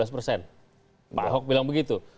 pak hock bilang begitu